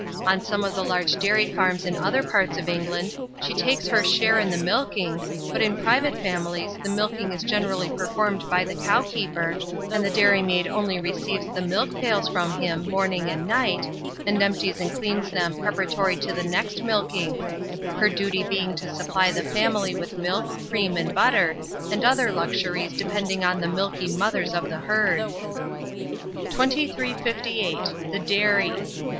On some of the large dairy farms in other parts of England, she takes her share in the milking, but in private families the milking is generally performed by the cowkeeper, and the dairy maid only receives the milkpails from him morning and night, and empties and cleans them preparatory to the next milking; her duty being to supply the family with milk, cream, and butter, and other luxuries depending on the "milky mothers" of the herd. 2358. _The Dairy.